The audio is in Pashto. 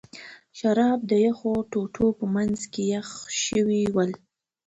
شراب د یخو ټوټو په منځ کې یخ شوي ول.